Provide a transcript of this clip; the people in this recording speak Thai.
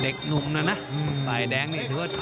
เด็กหนุ่มน่ะนะภรรยาแดงนี้ด้วย